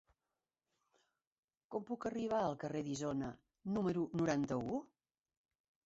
Com puc arribar al carrer d'Isona número noranta-u?